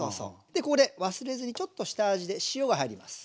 でここで忘れずにちょっと下味で塩が入ります。